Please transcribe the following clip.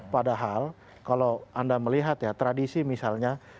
padahal kalau anda melihat ya tradisi misalnya